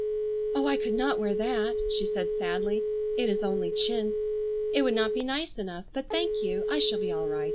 "Oh, I could not wear that," she said sadly, "it is only chintz. It would not be nice enough, but thank you. I shall be all right.